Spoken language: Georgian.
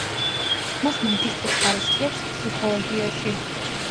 მას მაგისტრის ხარისხი აქვს ფსიქოლოგიაში.